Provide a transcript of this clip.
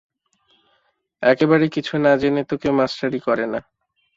একেবারে কিছু না-জেনে তো কেউ মাষ্টারি করে না।